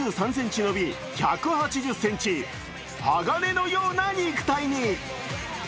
身長は２３ｃｍ伸び、１８０ｃｍ鋼のような肉体に。